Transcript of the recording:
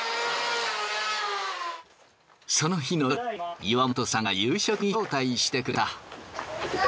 その日の夜岩本さんが夕食に招待してくれた。